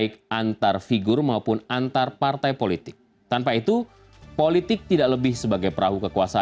kita pilih yang tidak terkenal